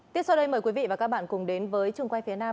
tiếp sau đây mời quý vị và các bạn cùng đến với trường quay phía nam